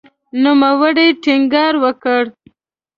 نوموړي ټینګار وکړ